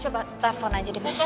coba telepon aja deh mas